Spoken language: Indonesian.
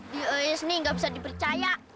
di os ini nggak bisa dipercaya